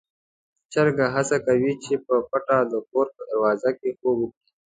چرګ هڅه کوي چې په پټه د کور په دروازه کې خوب وکړي.